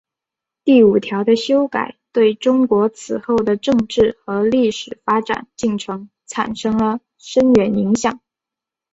第五条的修改对中国此后的政治和历史发展进程产生了深远影响。